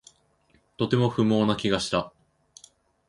とても不毛な気がした